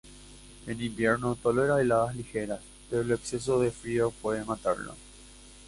En invierno tolera heladas ligeras, pero el exceso de frío puede matarla.